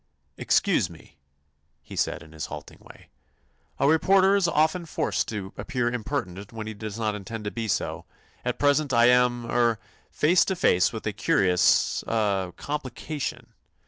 "Excuse me," he said in his halting way; "a reporter is often forced to appear impertinent when he does not intend to be so. At present I am—er—face to face with a curious—er—complication.